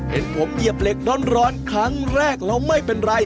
เห็นผมเหยียบเหล็กร้อนครั้งแรกแล้วไม่เป็นไร